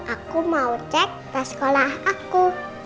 aku mau cek tes sekolah aku